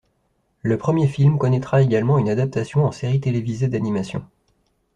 Le premier film connaitra également une adaptation en série télévisée d'animation.